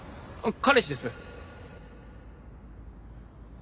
彼氏です。